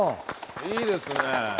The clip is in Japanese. いいですね。